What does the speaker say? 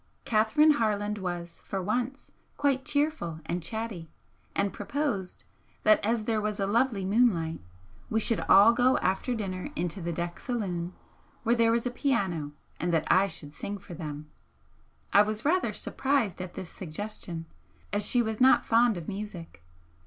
Catherine Harland was, for once, quite cheerful and chatty, and proposed that as there was a lovely moonlight, we should all go after dinner into the deck saloon, where there was a piano, and that I should sing for them. I was rather surprised at this suggestion, as she was not fond of music.